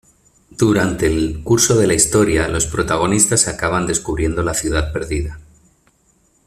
Durante el curso de la historia los protagonistas acaban descubriendo la ciudad perdida.